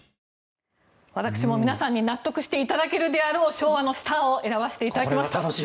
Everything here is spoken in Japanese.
私も皆さんに納得していただけるであろう昭和のスターを選ばせていただきました。